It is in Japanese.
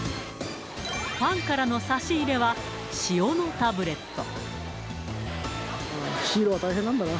ファンからの差し入れは塩のタブレット。